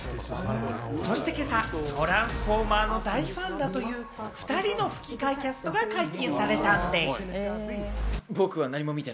そして今朝、『トランスフォーマー』の大ファンだという２人の吹き替えキャストが解禁されたんです。